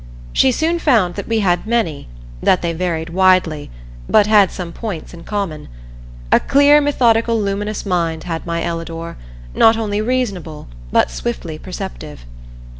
She soon found that we had many, that they varied widely, but had some points in common. A clear methodical luminous mind had my Ellador, not only reasonable, but swiftly perceptive.